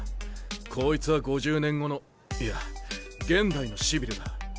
こいつは５０年後のいや現代のシビルだ。